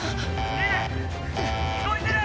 「ねえ聞こえてる！？